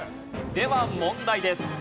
では問題です。